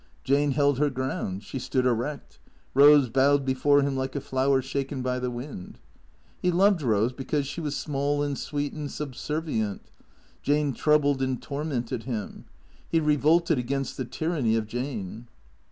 Jane held her ground; she stood erect. Eose bowed before him like a flower shaken by the wind. He loved Eose because she was small and sweet and subservient. Jane troubled and tormented him. He re volted against the tyranny of Jane.